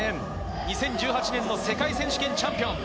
２０１８年の世界選手権チャンピオン。